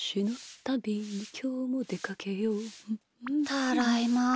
ただいま。